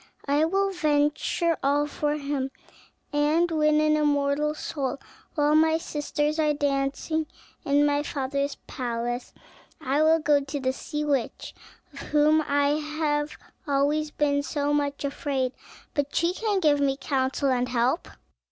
I will venture all for him, and to win an immortal soul, while my sisters are dancing in my father's palace, I will go to the sea witch, of whom I have always been so much afraid, but she can give me counsel and help."